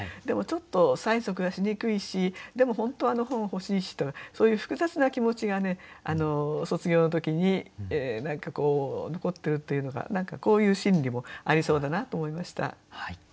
でもちょっと催促がしにくいしでも本当はあの本欲しいしそういう複雑な気持ちがね卒業の時に何かこう残っているっていうのが何かこういう心理もありそうだなと思いました。